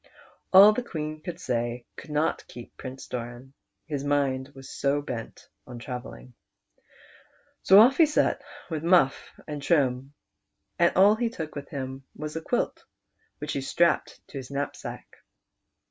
All the Queen could say could not keep Prince Doran, his mind was so bent on travelling. So off lie set with Mufif and Trim, and all he took with him was a quilt, which he strapped to his knapsack.